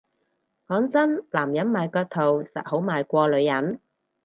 講真男人賣腳圖實好賣過女人